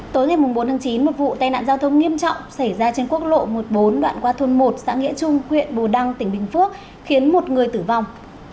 tối ngày bốn tháng chín một vụ tai nạn giao thông nghiêm trọng xảy ra trên quốc lộ một mươi bốn đoạn qua thôn một xã nghĩa trung huyện bù đăng tỉnh bình phước khiến một người tử vong